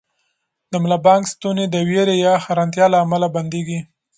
د ملا بانګ ستونی د وېرې یا حیرانتیا له امله بندېږي.